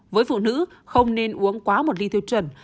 với phụ nữ không nên uống quá một ly theo chuẩn